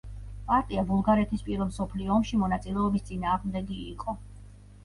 პარტია ბულგარეთის პირველ მსოფლიო ომში მონაწილეობის წინააღმდეგი იყო.